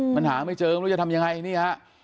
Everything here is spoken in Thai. มันหาไม่เจอไม่รู้จะทำยังไงนี่ฮะ